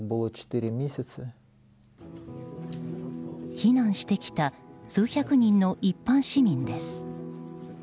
避難してきた数百人の一般市民です。